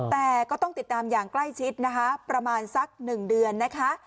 แต่ก็ต้องติดตามอย่างใกล้ชิดนะคะประมาณสัก๑เดือนนะคะ